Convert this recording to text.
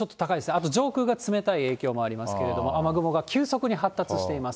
あと上空が冷たい影響もありますけれども、雨雲が急速に発達しています。